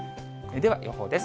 では、予報です。